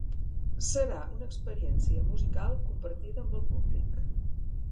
Serà una experiència musical compartida amb el públic.